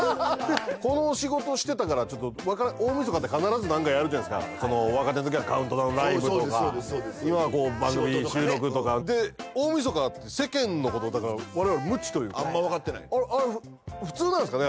この仕事してたから大晦日って必ず何かやるじゃないですか若手のときはカウントダウンライブとか今はこう番組収録とか仕事とかねで大晦日だって世間のことだから我々は無知というかあんまわかってないあれ普通なんですかね